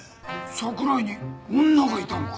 桜井に女がいたのか？